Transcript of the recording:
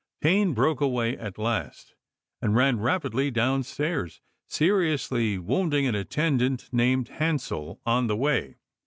Payne broke away at last and ran rapidly downstairs, seriously wounding an at tendant named Hansell on the way.